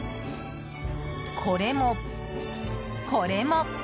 これも、これも！